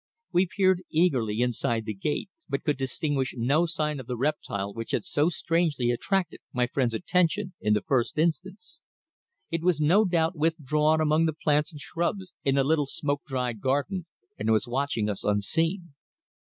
We peered eagerly inside the gate, but could distinguish no sign of the reptile which had so strangely attracted my friend's attention in the first instance. It had no doubt withdrawn among the plants and shrubs in the little smoke dried garden, and was watching us unseen.